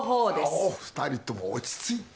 お二人とも落ち着いて！